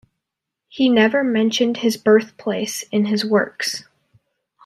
He never mentioned his birthplace in his works.